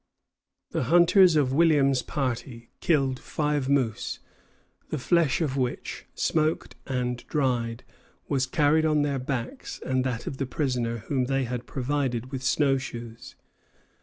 The hunters of Williams's party killed five moose, the flesh of which, smoked and dried, was carried on their backs and that of the prisoner whom they had provided with snow shoes.